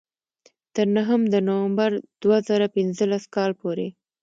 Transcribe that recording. تر نهم د نومبر دوه زره پینځلس کال پورې.